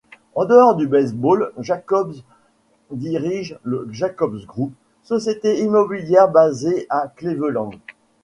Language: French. En dehors du baseball, Jacobs dirige le Jacobs Group, société immobilière basée à Cleveland.